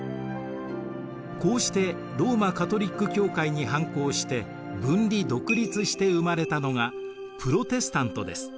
こうしてローマカトリック教会に反抗して分離独立して生まれたのがプロテスタントです。